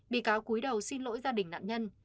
bị cáo cuối đầu xin lỗi gia đình nạn nhân